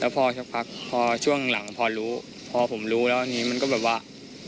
พอสักพักพอช่วงหลังพอรู้พอผมรู้แล้วอันนี้มันก็แบบว่า